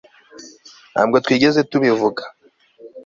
Ntabwo twigeze tubivuga